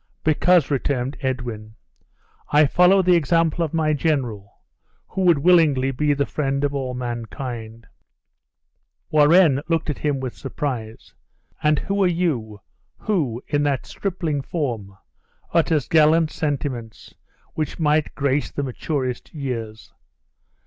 "Because," returned Edwin, "I follow the example of my general, who would willingly be the friend of all mankind." Warenne looked at him with surprise: "And who are you, who, in that stripling form, utters gallant sentiments which might grace the maturest years?"